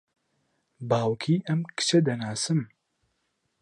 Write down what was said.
باوکی ئەم کچە دەناسم.